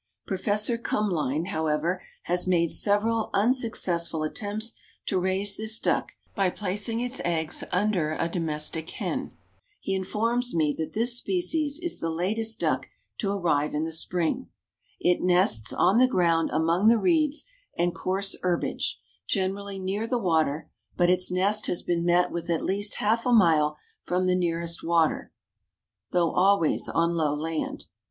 Prof. Kumlein, however, has made several unsuccessful attempts to raise this duck by placing its eggs under a domestic hen. He informs me that this species is the latest duck to arrive in the spring." It nests on the ground among the reeds and coarse herbage, generally near the water, but its nest has been met with at least half a mile from the nearest water, though always on low land.